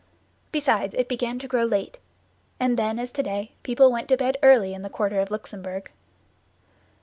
Besides, it began to grow late, and then, as today, people went to bed early in the quarter of the Luxembourg.